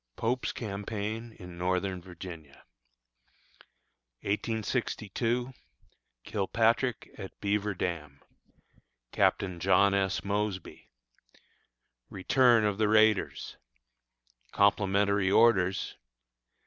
POPE'S CAMPAIGN IN NORTHERN VIRGINIA. 1862. Kilpatrick at Beaver Dam. Captain John S. Mosby. Return of the Raiders. Complimentary Orders.